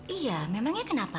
iya memangnya kenapa